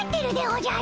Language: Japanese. おじゃ。